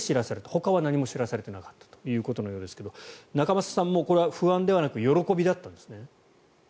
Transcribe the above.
ほかは何も知らされていなかったということのようですが仲正さんもこれは不安ではなく喜びだったんですね。